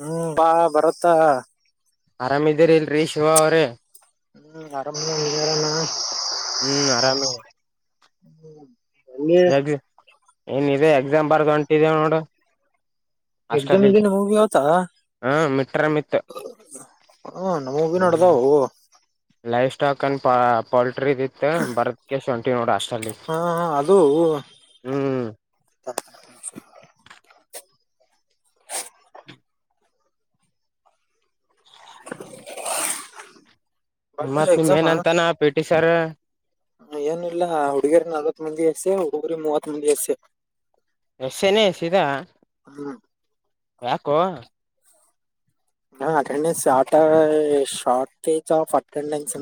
ಹ್ಮ್ ಪಾ ಬರತ್ತಾ. ಅರಾಮಿದ್ದೀರಾಇಲ್ರಿ ಶಿವ ಅವ್ರೇ. ಹ್ಮ ಅರಮಇದ್ದೀನಿ ಹೇಳಣ್ಣ. ಹ್ಮ್ ಆರಾಮ ಹ್ಮ್. [unintelligible] ಇನ್ನೀ ಎಕ್ಸಾಮ್ ಬರ್ದ ಹೊಂಟಿವಿ ನೋಡು. ಎಗ್ಜಮ್ ಅಷ್ಟಲ್ಲಿ [unintelligible] ಹೂ ಹ ಮಿಟ್ರಮ್ ಇತ್ತು ಅಣ್ಣ ಹೂವಗಿನ ಹ್ಮ್ ಇಡದಾವು. ಲೈಫ್ ಸ್ಟಾಕ್ ಅನ್ ಪ ಪೋಲ್ಟ್ರಿ ವಿತ್ ಬರ್ದಕೆಸಿ ಹೊಂಟಿವ್ ನೋಡ್ ಹಾಸ್ಟೆಲಿಗ. ಹಾ ಹಾ ಅದು ಹ್ಮ್ [unintelligible] ಬರ ಮತ್ ನಿಮ ಎಕ್ಸಾಮ ಏನಂತಾನ ಪಿ ಟಿ ಸರ್. ಏನಿಲ್ಲಾ ಹುಡುಗೇರಿ ನಲ್ವತ್ ಮಂದಿ ಎಸೆ ಹುಡುಗುರಿ ಮೂವತ್ ಮಂದಿ ಎಸೆ. ಎಸ್ ಎನ ಎ ಪಿಧ. ಹ್ಮ ಯಾಕೋ. ಹಾ ಅಟೆಂಡೆನ್ಸ್ ಶಾರ್ಟೆ ಶಾರ್ಟೇಜ್ ಆಫ್ ಅಟೆಂಡೆನ್ಸ್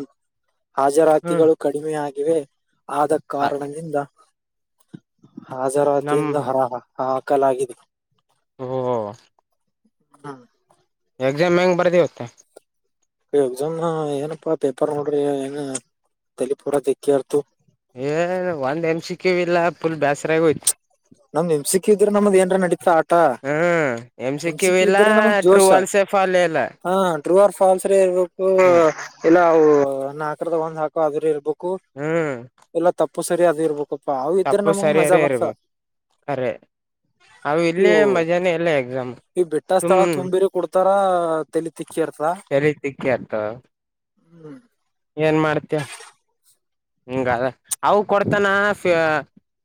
ಹ್ಮ್ ಹಾಜರಾತಿಗಳು ಕಡಿಮೆಯಾಗಿವೆ ಆದ ಕಾರಣದಿಂದ ನಮ್ ಹಾಜರಾತಿಯಿಂದ ಹರಾ ಹ ಹಾಕಲಗಾಗಿದೆ. ಓ ಹ. ಎಕ್ಸಾಮ್ ಹೆಂಗ್ ಬರ್ದಿಯಪ್ಪ. ಎಕ್ಸಾಮ್ ನ ಏನಪ್ಪಾ ಪೇಪರ್ ನೋಡ್ರಿ ಏನ ತೆಲಿ ಪೂರ ತೆಕೆರ್ತು. ಏನ್ ಒಂದ್ ಎಂ ಸಿ ಕ್ಯೂ ಇಲ್ಲಾ ಫುಲ್ ಬೇಸರಾಗ ಹೋಯ್ತು. ನಮ್ ಎಂ ಸಿ ಕ್ಯೂ ಇದ್ರ ನಮ್ಗ ಏನಾರ ನಡೀತಾ ತ್ತಾ ಹ್ಮ್ ಎಮ್ ಎಂ ಸಿ ಕ್ಯೂ ಇಲ್ಲ ಇದ್ರ ನಮಗ್ ಟ್ರೂ ಜೋಶ್. ಅಲ್ಸೆ ಫಾಲ್ ಇಲ್ಲ ಹಾ ಟ್ರೂ ಆರ್ ಫಾಲ್ಸ್ ರ ಇರ್ಬೇಕು ಹ್ಮ್ ಇಲ್ಲ ಅವು ನಾಕರ ದಾಗ ಒಂದ್ ಹಾಕೋವರ ಇರ್ಬೇ ಕೂ ಹ್ಮ್ ಇಲ್ಲಾ ತಪ್ಪು ಸರಿ ಅದ್ ಇರ್ಬೇಕಪ್ಪಾ ಅವ ಇದ್ರ ನಮಗ್ ಮಜಾ ಬರ್ತ. ಕರೆ. [inaudible] ಅವು ಇಲ್ಲೇ ಇವು ಮಜಾನೇ ಇಲ್ಲ ಎಕ್ಸಾಮ್. ಈ ಬಿಟ್ಟ ಸ್ಥಳ ಸುಮ್ ತುಂಬಿರಿ ಕೊಡ್ತಾರ ತೆಲಿ ತಿಕೇರ್ತ. ತೆಲಿ ತಿಕೆರ್ತ. ಹ್ಮ್. ಏನ್ ಮಾಡ್ತಿ ಇಂಗ ಅವ ಕೊಡ್ತಾನ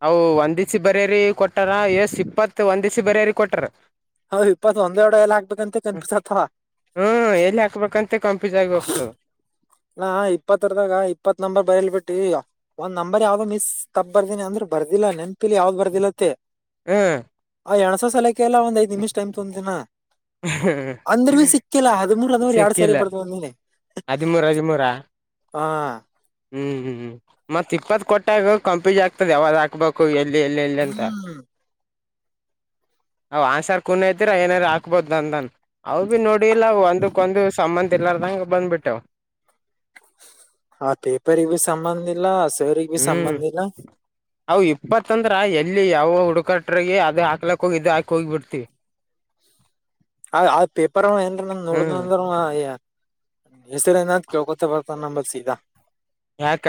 ಅವು ಒಂದಿಸಿ ಬರ್ಯರಿ ಕೊಟ್ಟಾರ ಯೇಸು ಇಪ್ಪತ್ ಒಂದಿಸಿ ಬರೆಯರಿ ಕೊಟ್ಟಾರ. ಹೌ ಇಪ್ಪತ್ ಒಂದೆರಡೆ ಎಲ್ಲ ಹಾಕ್ಬೇಕಂತ ಕನ್ಫ್ಯೂಸ್ಯಾಗ್ತವ. ಹ್ಮ್ ಎಲ್ಲಿ ಹಾಕ್ಬೇಕಂತ ಕಂಪ್ಯೂಸ್ ಆಗಿ ಹೋಗ್ತವಾ. ನಾ ಇಪ್ಪತ್ತರ್ದಾಗ ಇಪ್ಪತ್ ನಂಬರ್ ಬಯಿಲ್ ಬಿಟ್ಟಿ ಈ ಒಂದ್ ನಂಬರ್ ಯಾವ್ದೋ ಮಿಸ್ ತಪ್ ಬರ್ದಿನಿ ಅಂದ್ರ ಬರ್ದಿಲ್ಲ ನೆನ್ಪಿಲಿ ಯಾವ್ದ್ ಬರ್ದಿಲ್ಲತ್ತೇ. ಹ್ಮ್. ಆ ಎಣಸ ಸಲಕಕ್ಕೆಲ್ಲ ಒಂದ್ ಐದು ನಿಮಷ ಟೈಮ್ ತೋಂತಿನ ನಾ. ಅಂದ್ರ ಬಿ ಸಿಕ್ಕಿಲ್ಲ ಹಾಡಿಮುರ ಅದವರಿ ಎರಡ್ ಸರಿ ಬರದ ಬಂದೇನಿ. ಹಾಡಿಮುರಾ. ಹ್ಮ್ ಹ್ಮ್ ಮತ್ತ ಇಪ್ಪತ್ ಕೊಟ್ಟಗ ಕನ್ಫ್ಯೂಸ್ ಆಗ್ತುದು ಯಾವಾಗ ಹಾಕ್ಬೇಕ ಎಲ್ಲಿ ಎಲ್ಲಿ ಎಲ್ಲಿ ಅಂತ ಹ್ಮ್ ಹಾ ಆನ್ಸರ್ ಕುನ ಇದ್ದೀರ ಏನಾರ ಹಾಕ್ಬೇಕ ಹಾಕ್ಬೋದ ಅಂದನ್ ಅವವು ಭಿ ನೋಡಿ ಇಲ್ಲ ಒಂದಕ್ಕ ಒಂದು ಸಂಮ್ಮಂದ ಇಲ್ಲಾರದಂಗಗೆ ಬಂದ್ಬಿಟ್ಟ್ವ. ಆ ಪೇಪರ್ ಇಗೂ ಸಂಬದ ಇಲ್ಲ. ಸರಿಗ್ ಬಿ ಹ್ಮ್ ಸಂಬಂಧ ಇಲ್ಲ ಅವು ಇಪ್ಪತ್ತಂದ್ರ ಎಲ್ಲಿ ಯಾವ ಹುಡುಕಟ್ರಗೆ ಅದ ಹಾಕ್ಲಕ್ಕ ಹೋಗಿ ಇದು ಹಾಕಿ ಹೋಗಿ ಬಿಡ್ತಿವಿ. ಆ ಆ ಪೇಪರ್ ಅವ ಏನ್ರ ನಮ್ಮೂವ ಹ್ಮ್ ನೋಡ್ದಂದ್ರ ಏ ಹೆಸರ ಏನ ಅದ ಕೇಳ್ಕೊತ ಬರ್ತಾನ ನಂಬಲ್ಲಿ ಸೀದಾ. ಯಾಕ.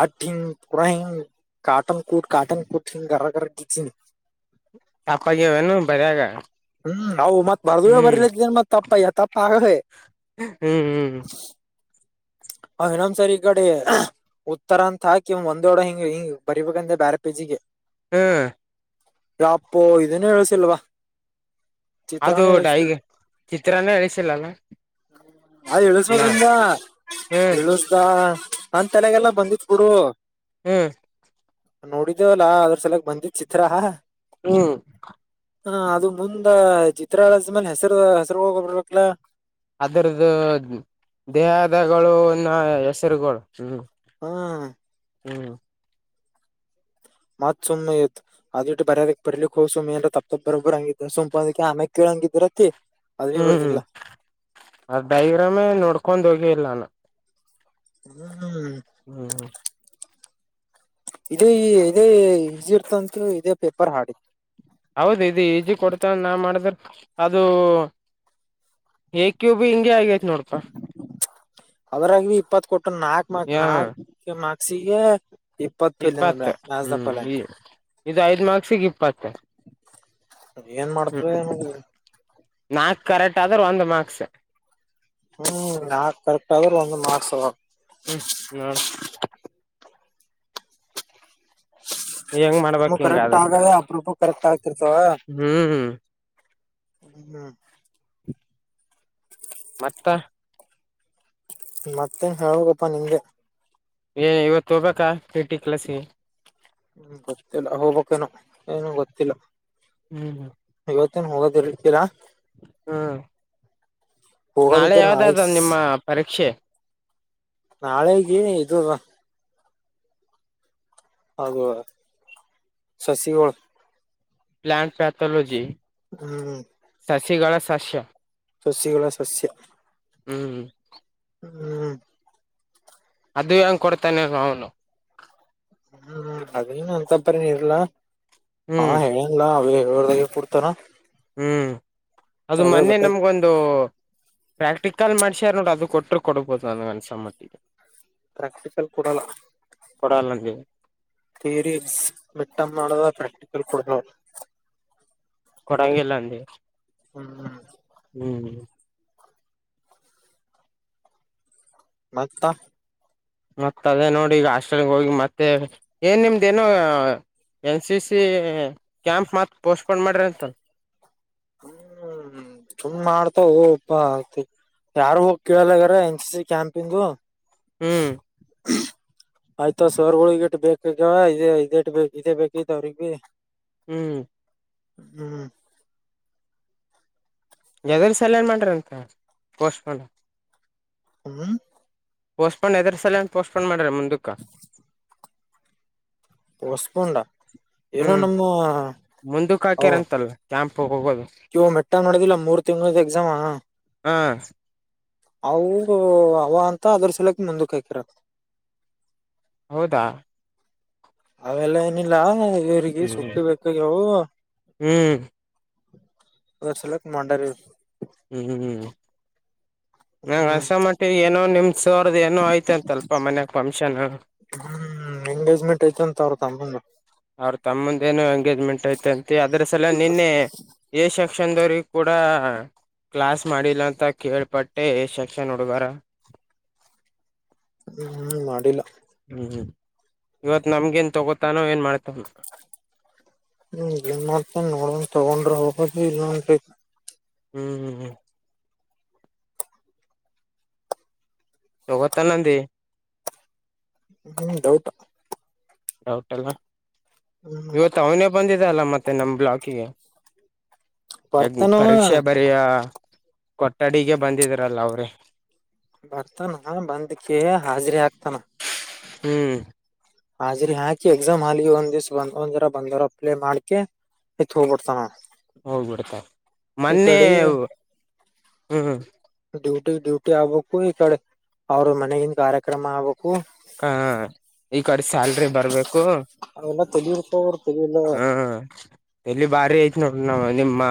ಆಟ ಹಿಂಗ್ ಪೂರ ಹಿಂಗ್ ಕಟನ್ ಕೂಟ್ ಕಾಟನ್ ಕೂಟ್ ಹಿಂಗ್ ಗರ ಗರ ಗೀಚಿನ್. ತಪ್ಪಆಗ್ಯಾವೇನು ಬರ್ಯಾಗ. ಹ್ಮ್ ಅವ್ವು ಮತ್ತ ಮರ್ದಿನ ಹ್ಮ್ ಬರ್ಲತ್ತೇದ ಮತ್ ತಪ್ಪಯ ತಪ್ಪ ಆಗವೆ. ಹ್ಮ್ ಹ್ಮ್ ಅವ ಇನ್ನೊಂದ ಸರಿ ಈಕಡಿ ಉತ್ತರ ಅಂತ ಹಾಕಿ ಒಂದೋಡ ಹಿಂಗ ಹಿಂಗ ಬರಿಬೇಕಂದೆ ಬ್ಯಾರ್ ಪೇಜಿಗೆ. ಹ್ಮ್ ಎಪ್ಪೋ ಇದನ್ನ ಇಳಸಿಲ್ಲ ಅವ್ವ. ಅದು ಡೈಗೆ ಚಿತ್ರನೇ ಇಳಿಸಿಲ್ಲ ಅಲ್ಲ. [inaudible] ಐಇ ಇಳಸದಂದ ಹ್ಮ್ ಇಳಸ್ದ ನಂದ ತಲೆಗೆಲ್ಲ ಬಂದತ್ ಬಿಡು. ಹ್ಮ್ ನೋಡಿದೇವಲ್ಲಾ ಅದುರ ಸಲಕ್ ಬಂದಿತ್ತ ಚಿತ್ರಾ. ಹ್ಮ ಹ ಅದು ಮುಂದ ಚಿತ್ರ ಇಳಿಸಿದ ಮೇಲೆ ಹೆಸರು ಹೆಸರಗೋಳ ಬರ್ಬೇಕಲಾ. ಅದರ್ದು ದೇಹದಗಳು ನ ಹೆಸರುಗಳು ಹ್ಮ. ಹಾ ಹ್ಮ್ ಮತ್ ಸುಮ್ಮ ಆಗ್ಯಾತ್ತ. ಅದು ಬಿಟ್ಟ ಬರ್ಯದಕ್ ಬರ್ಲಿಕ್ಕೆ ಹೋ ಸುಮ್ ಏನಾರ ತಪ್ಪಪ್ಪ ಬೊಬ್ಬರು ಹಂಗಿದ ಸುಮ ಅದಕ್ಕೆ ಆಮೇಲೆ ಕೇಳಂಗೆ ಇದೀರಿ ಅಂತ. ಹ್ಮ್ ಅದ ಡೈಗ್ರಾಮೇ ನೋಡ್ಕೊಂಡ ಹೋಗೆ ಇಲ್ಲ ನಾನ. ಹ್ಮ್ ಹ್ಮ್ ಹ್ಮ್ ಇದು ಇದೇ ಈಸಿ ಇರ್ತದ ಅನ್ಕೊಂಡ ಇದೇ ಪೇಪರ್ ಹಾರ್ಡ್ ಇತ್ತ. ಹೌದು ಇದು ಈಜಿ ಕೊಡ್ತ ನಾ ಮಾಡಿದ್ರ ಅದು. ಹೇ ಕ್ಯೂಬ ಹಿಂಗೆ ಆಗೈತ್ ನೋಡಪಾ. ಅದರಾಗ ಬಿ ಇಪ್ಪತ್ ಕೊಟ್ಟನ ನಾಕ್ ಮಾರ್ಕ್ಸ್ ಯ ನಾಕ ಮಾರ್ಕ್ಸಿಗೆ. ಇಪ್ಪತ್ ಫೇಲ್ ಅಂದ್ರ ಇಪ್ಪತ್ತು ಮ್ಯಾಥ್ಸ್ ದ ಹ್ಮ್ ಫಲಂಗ್ ಈ ಇದು ಐದ್ ಮಾರ್ಕ್ಸಿಗೆ ಇಪ್ಪತ್ತ. ಅದ ಏನ್ ಮಾಡ್ತುದೋ ಏನೋ. ನಾಕ್ ಕರೆಕ್ಟ್ ಆದ್ರ ಒಂದು ಮಾರ್ಕ್ಸ್. ಹ್ಮ್ ನಾಕ್ ಕರೆಕ್ಟ್ ಆದೂರು ಒಂದ್ ಮಾರ್ಕ್ಸ್ ಅವಾಗ. ಹ್ಮ್ ನೋಡ. ಹೆಂಗ್ ಮಾಡ್ಬೇಕ್ ನಮ್ಮವ ಕರೆಕ್ಟ್ ಹಿಂಗಾದ್ರ ಆಗವ ಅಪರೂಪಕ್ ಕರೆಕ್ಟ್ ಆಗ್ತಿರ್ತವ. ಹ್ಮ್ ಹೂ ಮತ್ತ. ಮತ್ತೇನ್ ಹೇಳಬೇಕಪ್ಪಾ ನಿಮ್ಮದೇ. ಏ ಇವತ್ತು ತೋಗ್ಬೇಕಾ ಪಿ ಟಿ ಪ್ಲಸ್ಗೆ ಗೆ ಹ್ಮ ಗೊತ್ತಿಲ್ಲ ಹೊಬೆಕ್ ಏನು ಗೊತ್ತಿಲ್ಲ. ಹೂ ಇವತ್ತೇನ್ ಹೋಗೋದ ಇರಲಕಿಲ. ಹ್ಮ್ ನಾಳೆ ಯಾವ್ದಾದ ನಿಮ್ಮ ಪರೀಕ್ಷೆ. ನಾಳೆೆಗೆ ಇದು ಅದಾ. ಹೌದು ಸಸಿಗೊಳು. Plant pathology. ಹೂ ಸಸಿಗಳ ಸಸ್ಯ. ಸಸಿಗಳ ಸಸ್ಯ. ಹೂ ಹೂ ಅದು ಹೆಂಗ್ ಕೊಡ್ತಾನೆ ಅವನು. ಹ್ಮ್ ಅದೇನು ಅಂತಪ್ಪರಿನ ಇರ್ಲ್ಲಾ ಅವ ಹ್ಮ್ ಹೇಳ್ಯಾನ್. ಇಲ್ಲ ಅವೇ ಏಳುರ ದಾಗಿ ಕೊಡ್ತಾನ. ಹ್ಮ್ ಅದು ಅವೇ ಮೊನ್ನೆ ಬೇಕ ನಮ್ಗೊಂದು. ಪ್ರಾಕ್ಟಿಕಲ್ ಮಾಡ್ಸ್ಯಾರ ನೋಡ ಅದು ಕೊಟ್ಟರು ಕೊಡ್ಬಹದು ನನ್ಗೆ ಅನ್ಸ ಮಟ್ಟಿಗ. ಪ್ರಾಕ್ಟಿಕಲ್ ಕೊಡಲ್ಲ. ಕೊಡಲಹಂಗ. ಥಿಯರಿ ಮೀಟಾಂ ನಡದ ಪ್ರಾಕ್ಟಿಕಲ್ ಕೊಡತವರು. ಕೊಡಂಗಿಲ್ಲ ಅಲ್ಲಿ. ಹೂ ಹೂ ಮತ್ತ ಮತ್ತತ್ ಅದೇ ನೋಡಿ ಈಗ ಹಾಸ್ಟೆಲ್ಗೆ ಹೋಗಿ ಮತ್ತೆ ಏನ್ ನಿಮ್ದೇನೋ ಎನ್ ಸಿ ಸಿ ಕ್ಯಾಂಪ್ ಮತ್ ಪೋಸ್ಟ್ ಪೋನ್ ಮಾಡ್ರಿ ಅಂತಲ್ಲ ಹ್ಮ್ ಚುಮ್ ಮಾಡ್ತಾವಪ್ಪ ಯಾರು ಹೋಗಿ ಕೇಳಲಗಾರ ಎನ್ ಸಿ ಸಿ ಕ್ಯಾಂಪ ಇಂದು. ಹ್ಮ್ ಹ್ಮ [unintelligible] ಆಯ್ತ ಸರ್ ಓಲ್ಡ್ ಗಿತ್ತು ಇಟ್ಟು ಬೇಕಗ ಇದ ಇದ ಇಟ್ಟ ಇದದೆ ಬೇಕಿತ್ ಅವ್ರಗ್. ಹ್ಮ್ ಹ್ಮ್ ಎದರು ಸಲ್ಲನ್ ಮಾಡ್ರಂತೆ ಅಂತ್ಯ ಪೋಸ್ಟ್ ಪೋನ್. ಹ್ಮ್ ಪೋಸ್ಟ್ಪೋನ್ ಎದರ ಸಲ ಅಂತ ಪೋಸ್ಪೋನ್ ಮಾಡ್ರ ಮುದಕ್ಕೆ. [inaudible] ಹೊಸ್ಪಂಡ ಏನೋ ಹ್ಮ್ ನಮ್ಮ ಹಾ ಕೆಂಪುಗ್ ಹೋಗೋದು. ಇವ್ ಮೆಟ್ಟ ಮಾಡೋದಿಲ್ಲ ಮೂರ್ ತಿಂಗಳ ಎಕ್ಸಾಮ್. ಹಾ ಅವು ಅವ ಅಂತ ಅದ್ರ ಸಲಕ ಮುಂದಕ್ಕೆ ಹಾಕ್ಯಾರಂತೆ ಹೌದಾ ಅವೆಲ್ಲ ಏನಿಲ್ಲ ಬಿಡ್ ಗ ಹ್ಮ್ ಸುಪ್ಪಿ ಬೇಕಗ್ಯಾವು ಹ್ಮ್ ಅದರ್ ಸಲಕ್ ಮಾಡರಿ ಹ್ಮ್ ಹ್ಮ್ ನಂಗ್ ಹ್ಮ್ ಹಸಮಟ್ಟಿಗೆ ಏನೋ ನಿಮ್ ಸೋರ್ದ ಏನೋ ಆ ಐತ್ ಅಂತಾಲಪ್ಪ ಮನ್ಯಾಗ ಫಂಕ್ಷನ್ ಹ್ಮ್ ಎಂಗೇಜ್ಮೆಂಟ್ ಐತ ಅಂತ ಅವ್ರ್ ತಮ್ಮಂದು ಅವ್ರ ತಮ್ಮಂದ ಏನು ಎಂಗೇಜ್ಮೆಂಟ್ ಐತೆ ಅಂತ ಅದ್ರಸಲಗ್ ನಿನ್ನೆ ಎ ಸೆಕ್ಷನ್ದ್ [unintelligible] ಕೂಡ ಕ್ಲಾಸ್ ಮಾಡಿಲ್ಲ ಅಂತ ಕೇಳ್ಪಟ್ಟೆ ಸೆಕ್ಷನ್ ಹುಡುಗಾರ ಹ್ಮ್ ಮಾಡಿಲ್ಲ ಹ್ಮ್ ಇವತ್ ನಮ್ಗ ಎನ್ ತಗೋತಾನೋ ಏನ್ ಮಾಡ್ತ ಹ್ಮ ಏನ್ ಮಾಡ್ತೇನ್ ನೋಡನ್ ತಗೊಂಡ್ರ ಹೋಗ ಇಲ್ಲಂ ಹ್ಮ್ ಹ್ಮ್ ತಗೋತಾನಂದಿ ಹ್ಮ್ ಡೌಟ್ ಡೌಟ್ ಅಲ್ಲ ಹ್ಮ್ ಇವತ್ತು ಅವನ [unintelligible] ಬಂದಿದೆ ಯಲ್ಲ ಮತ್ತೆ ನಮ್ ಬ್ಲಾಕಿಗೆ ಯಾಕ್ ನಿ ಬರ್ತಾನವ ಪರೀಕ್ಷೆ ಬ ಯ ಕೊಠಡಿಗೆ ಬಂದಿದ್ರಲ್ಲ ಅವ್ರೇ. ಬರ್ತಾನ ಬಂದಕ ಹಾಜರಿ ಆಗ್ತಾನ ಹ್ಮ್ ಹಾಜರಿ ಹಾಕೆ ಎಕ್ಸಾಮ್ ಹಾಲಿಗೆ ಒಂದ್ ದಿವ್ಸ ಬಂದ್ ಒಂದ್ ಜರ ಬಂದರು ಅಪ್ಲೈ ಮಾಡ್ಕೆ [unintelligible] [unintelligible] ಹೋಗ್ಬಿಡ್ತಾರೆ ಈ ಮೊನ್ನೆ ಕಡೆ ಹ್ಮ್ ಡ್ಯೂಟಿ ಡ್ಯೂಟಿ ಆಗ್ಬೇಕು ಈ ಕಡೆ ಅವ್ರ ಮನೆಗನ್ ಕಾರ್ಯಕ್ರಮ ಆಗ್ಬೇಕು ಹ ಈ ಕಡೆ ಸ್ಯಾಲ್ರಿ ಬರ್ಬೇಕು ಅವಲ್ಲ ತಳರ್ತ [unintelligible] ಅವರು ತ [unintelligible] ಹ್ಮ ಎಲ್ಲಿ ಬಾರಿ ಐತ್ ನೋಡ ನಾ ನಿಮ್ಮ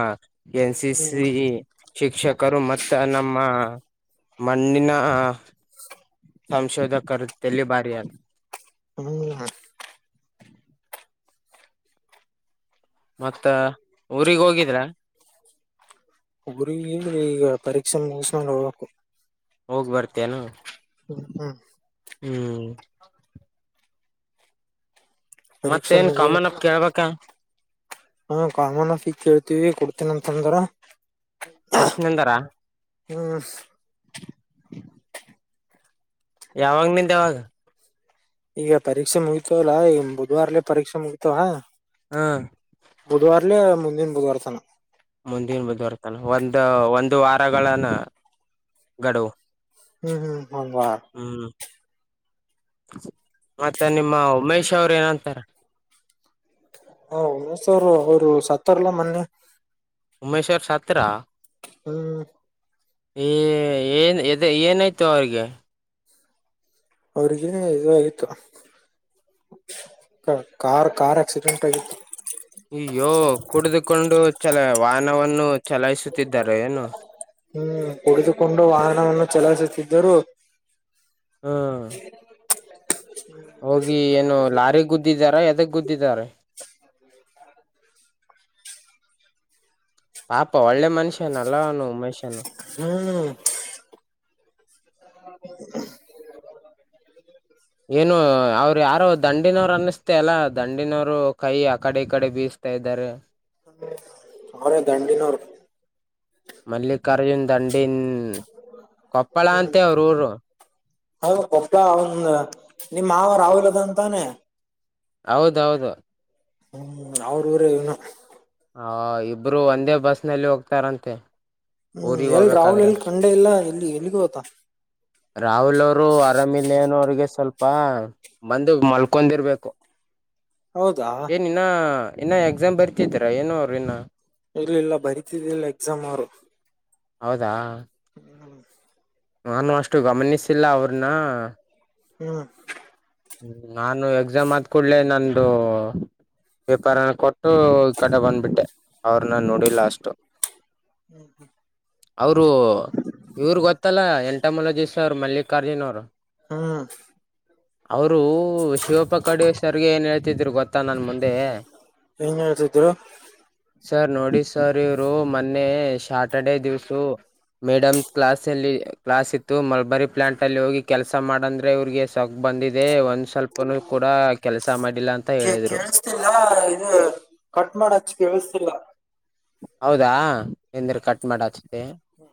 ಎನ್ ಸಿ ಹ್ಮ್ ಸಿ ಶಿಕ್ಷಕರು ಮತ್ತ ನಮ್ಮ ಮಣ್ಣಿನ ಸಂಶೋಧಕಲ್ಲಿ ತಲಿ ಭಾರಿಯ ಹ್ಮ ಮತ್ತ ಊರಿಗ್ ಹೋಗಿದ್ರ ಊರಿಗಿ ಈಗ ಪರೀಕ್ಷೆ ಮುಗಸ್ಕೊಂಡು ಹೋಗಬೇಕು ಹೋಗ್ ಬರ್ತೇ ಎನು ಹ್ಮ್ ಹ್ಮ್ ಪರೀಕ್ಷೆ ಮತ್ತೇನ್ ಮುಗಿಯ ಕಾಮನ್ ಅಪ್ ಕೇಳ್ಬಾಕೇನು ಹಾ ಕಾಮನ್ಫ ಈ ಕೇಳ್ತೀವಿ ಕೊಡ್ತೀನ ಅಂತ ಅಂದ್ವ್ರ ಕೊಡ್ತೀನಿ ಅಂದಾರ ಹ್ಮ್ ಯಾವಾಗ ನಿಂದೆ ಯಾವಾಗ ಈಗ ಪರೀಕ್ಷೆ ಮುಗಿತವಲ್ಲಾ ಈ ಬುಧವಾರ್ಲೆೇ ಪರೀಕ್ಷೆ ಮುಗಿತವ ಹಾ ಬುಧವಾರಲೆೇ ಮುಂದಿನ ಬುಧವಾರ ತನ ಮುಂದಿನ ಬುದುವರ್ತಾನ ಒಂದು ಒಂದು ವಾರಗಳನ ಗಡುವು [unintelligible] ಹುಂ ಮತ್ತೆ ನಿಮ್ ಉಮೇಶ್ ಅವ್ರ ಏನಂತಾರ ಹಾ ಉಮೇಶ್ ಸರ್ ಅವರು ಅವರು ಸತ್ತರ್ಲಾ ಮೊನ್ನೆ. ಉಮೇಶ್ ಅವರು ಸತ್ರಾ ಹುಂ ಏ ಏನ್ ಏನಾಯ್ತು ಅವ್ರಿಗೆ ಅವ್ರಿಗೆ ಇ ಆಗತ್ತು ಕಾರ್ ಕಾರ್ ಆಕ್ಸಿಡೆಂಟ್ ಆಗಿತ್ತು. ಅಯ್ಯೋ ಕುಡಿದುಕೊಂಡು ಚಲಾ ವಾಹನವನ್ನು ಚಲಾಯಿಸುತ್ತಿದ್ದಾರೆ ಏನು. ಹುಂ ಕುಡಿದುಕೊಂಡು ವಾಹನವನ್ನು ಚಲಾಯಿಸುತ್ತಿದ್ದರು. ಹುಂ ಹೋಗಿ ಏನು ಲಾರಿಗೆ ಗುದ್ದಿದ್ದಾರಾ ಎದಕ್ ಗುದ್ದಿದಾರ [inaudible] ಪಾಪ ಒಳ್ಳೆ ಮನುಷ್ಯನ ಅಲ್ಲನು ಉಮೇಶನು [unintelligible] ಏನು ಅವರು ಯಾರೋ ದಂಡಿನವರು ಅನ್ನಸ್ರ ಅಲ್ಲಾ ದಂಡಿನವ್ರು ಕೈ ಆಕಡೆ ಈ ಕಡೆ ಬೀಸ್ತಾ [unintelligible] ಅವ್ರ ದಂಡಿನೋರು. ಮಲ್ಲಿಕಾರ್ಜುನ್ ದಂಡೀನ್ [unintelligible] ನಿಮ್ಮ್ ಮಾವ ರಾಹುಲ್ ಅದಾನ ತಾನೆ ಹೌದು ಹೌದು ಹ್ಮ್ ಅವ್ರ ಊರ ಇವ್ನು ಹಾ ಇಬ್ರು ಒಂದೇ ಬಸ್ ನಲ್ಲಿ ಹೋಗ್ತಾರಂತೆ. ಹೂ ಊರಿಗ್ ಎಲ್ ರಾಹುಲ್ ಹೋಗ್ಬೇಕಾದ್ರೆ ಎಲ್ ಕಂಡೆ ಇಲ್ಲ ಎಲ್ಲಿ ಎಲ್ಲಿಗ ಹೋಧಾ ರಾಹುಲ್ ಅವರು ಆರಾಮಿಲನ್ ಅವ್ರಿಗೆ ಸ್ವಲ್ಪ ಬಂದ ಮಲ್ಕೊಂಡಿರ್ಬೇಕು ಹೌದಾ ಏನ್ ಇನ್ನ ಇನ್ನ ಎಕ್ಸಾಮ್ ಬರ್ತಿದರ ಏನೋ ಅವ್ರು ಇನ್ನ್. ಇಲ್ಲ ಇಲ್ಲ ಬರಿತಿದ್ದಿಲ್ಲ ಎಕ್ಸಾಮ್ ಅವರು. ಹೌದಾ ಹುಂ ನಾನು ಅಷ್ಟು ಗಮನಿಸಿಲ್ಲಾ ಅವ್ರನ್ನ ಹುಂ ಹುಂ ನಾನು ಎಕ್ಸಾಮ್ ಆದ್ ಕೂಡ್ಲೆ ನಂದು ಪೆಪರನ ಕೊಟ್ಟು ಈ ಕಡೆ ಬಂದ್ಬಿಟ್ಟೆ ಅವ್ರನ್ನ ನೋಡಿ ಲಾಸ್ಟ್ ಹುಂ ಹುಂ ಅವರು ಇವ್ರ ಗೊತ್ತಲ್ಲಾ ಎಂಟಮಲಜಿಸ್ಟ್ ಅವರು ಮಲ್ಲಿಕಾರ್ಜುನ ಅವರು. ಹುಂ ಅವರು ಶಿವಪ್ಪ ಕಡ್ ಸರ್ ಗೆ ಏನ್ ಹೇಳ್ತಿದ್ರು ಗೊತ್ತಾ ತ್ತ ನನ್ ಮುಂದೆ. ಹೆಂಗ ಹೇಳ್ತಿದ್ರು ಸರ್ ನೋಡಿ ಸರ್ ಇವರು ಮೊನ್ನೆ ಶ್ಯಾರ್ಟ ಡೇ ದಿವಸು ಮೇಡಮ್ ಕ್ಲಾಸ್ ಅಲ್ಲಿ ಕ್ಲಾಸ್ ಇತ್ತು ಮೇಲ್ ಬರಿ ಪ್ಲಾಂಟ್ ಅಲ್ಲಿ ಹೋಗಿ ಕೆಲಸ ಮಾಡಂದ್ರೆ ಇವ್ರಿಗೆ ಬಂದಿದೆ ಒಂದು ಸ್ವಲ್ಪನೂ ಕೂಡಾ ಕೆಲಸ ಮಾಡಿಲ್ಲಾ ಅಂತ ಹೇಳಿದ್ರು [unintelligible] ವಸ್ತಿಲ್ಲಾ ಹೌದಾ ನೀಂದ್ರ ಕಟ್ ಮಾಡಿ ಹಚ್ಚತೆನ್ ಹ